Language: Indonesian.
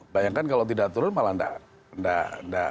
bayangkan kalau tidak turun malah tidak